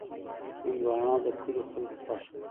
هندوانه د کلیو خلکو خوښه ده.